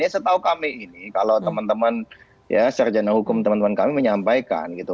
ya setahu kami ini karena temen temen ya serjana hukum temen temen kami menyampaikan gitu